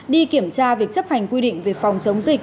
đi kiểm tra việc chấp hành quy định về phòng chống dịch